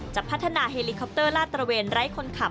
จะพัฒนาเฮลิคอปเตอร์ลาดตระเวนไร้คนขับ